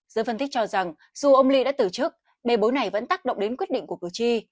giới phân tích cho rằng dù ông lee đã tử trức bề bối này vẫn tác động đến quyết định của cử tri